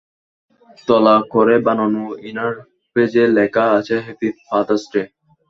কয়েক তলা করে বানানো ইনার পেজে লেখা আছে হ্যাপি ফাদার্স ডে।